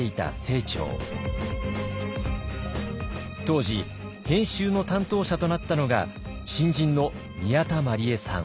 当時編集の担当者となったのが新人の宮田毬栄さん。